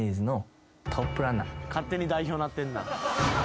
勝手に代表になってんな。